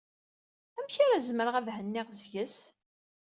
Amek ar zemreɣ ad henniɣ seg-s?